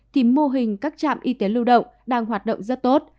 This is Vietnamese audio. thì mô hình các trạm y tế lưu động đang hoạt động rất tốt